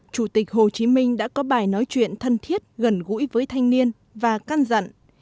chủ tịch hồ chí minh đã có bài nói chuyện thân thiết gần gũi với thanh niên và căn dặn